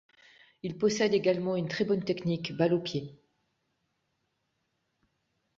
Il possède également une très bonne technique balle au pied.